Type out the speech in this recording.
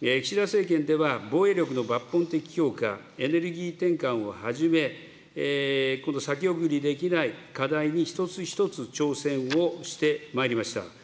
岸田政権では防衛力の抜本的強化、エネルギー転換をはじめ、この先送りできない課題に一つ一つ挑戦をしてまいりました。